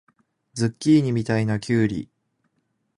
ズッキーニみたいなきゅうり